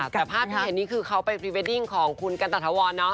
แต่ภาพที่เห็นนี้คือเขาไปพรีเวดดิ้งของคุณกันตะถวร